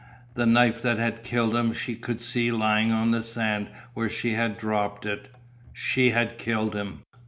The knife that had killed him she could see lying on the sand where she had dropped it; she had killed him.